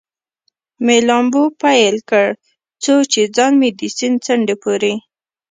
مې لامبو پیل کړ، څو چې ځان مې د سیند څنډې پورې.